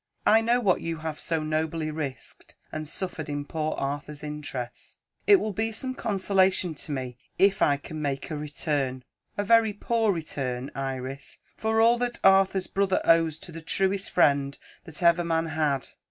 I know what you have so nobly risked and suffered in poor Arthur's interests. It will be some consolation to me if I can make a return a very poor return, Iris for all that Arthur's brother owes to the truest friend that ever man had.